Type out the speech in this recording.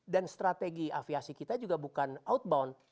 dan strategi aviasi kita juga bukan outbound